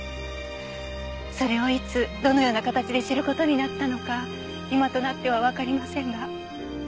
それをいつどのような形で知る事になったのか今となってはわかりませんが。